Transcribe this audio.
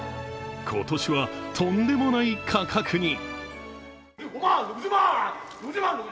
今年はとんでもない価格に！